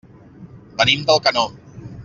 Venim d'Alcanó.